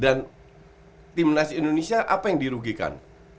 dan tim nasi indonesia apa yang dirugikan